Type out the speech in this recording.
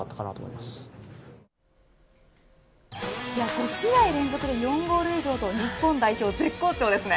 ５試合連続で４ゴール以上と日本代表絶好調ですね。